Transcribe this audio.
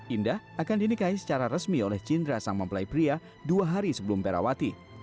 indah akan dinikahi secara resmi oleh cindra sang mempelai pria dua hari sebelum perawati